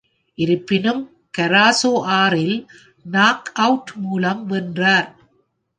இருப்பினும் கராசோ ஆறில் knock out மூலம் வென்றார்.